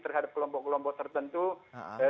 terhadap kelompok kelompok tersebut